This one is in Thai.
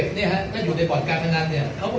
ส่วนคนที่เนี่ยทำลายหลักฐานผลใช้สิทธิ์ของเนี่ย